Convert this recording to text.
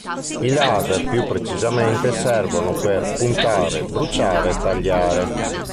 I laser più precisamente servono per puntare, bruciare, tagliare.